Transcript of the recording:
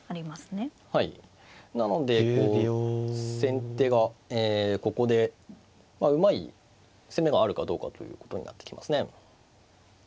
なので先手がここでうまい攻めがあるかどうかということになってきますね。